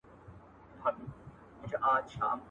پرمختيايي هيوادونو لږ پيسې پس انداز کړې وې.